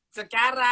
karena harus cikarang